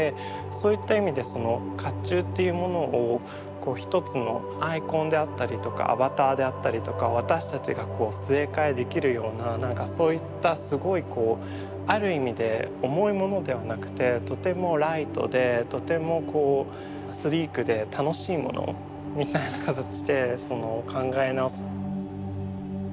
そういった意味で甲冑っていうものを一つのアイコンであったりとかアバターであったりとか私たちがすえ替えできるようななんかそういったすごいこうある意味で重いものではなくてとてもライトでとてもこうスリークで楽しいものみたいな形で考え直す。